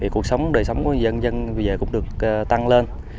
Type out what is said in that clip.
cuộc sống đời sống của dân dân bây giờ cũng được tăng lên